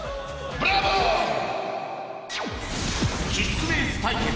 キックベース対決